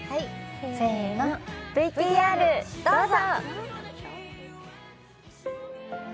せーの、ＶＴＲどうぞ。